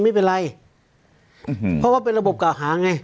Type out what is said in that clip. ไม่เป็นไรเพราะว่าเป็นระบบเก่าหาไง